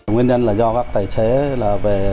nguyên nhân là do các tài nguyên